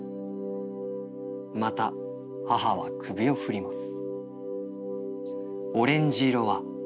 また母は首をふります」。